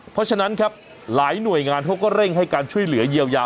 เพราะฉะนั้นครับหลายหน่วยงานเขาก็เร่งให้การช่วยเหลือเยียวยา